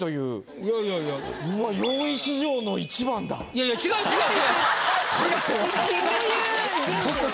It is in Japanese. いやいや違う違う。